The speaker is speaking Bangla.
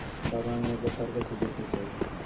বাবা, আমি একবার তাঁর কাছে যেতে চাই।